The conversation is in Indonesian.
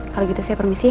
kalau gitu saya permisi ya